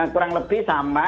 kurang lebih sama